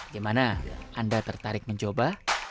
gimana anda tertarik mencoba